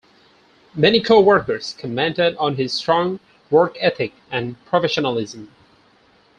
Many co-workers commented on his strong work-ethic and professionalism.